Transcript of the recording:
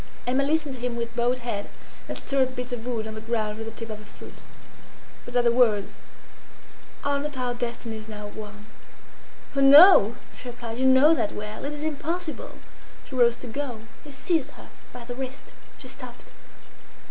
Emma listened to him with bowed head, and stirred the bits of wood on the ground with the tip of her foot. But at the words, "Are not our destinies now one?" "Oh, no!" she replied. "You know that well. It is impossible!" She rose to go. He seized her by the wrist. She stopped.